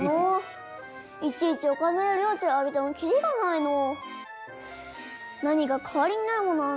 いちいちお金や領地をあげてもきりがないのう。